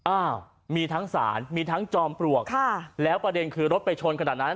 อ้าวมีทั้งสารมีทั้งจอมปลวกแล้วประเด็นคือรถไปชนขนาดนั้น